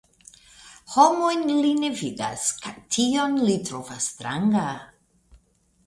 Homojn li ne vidas, kaj tion li trovas stranga.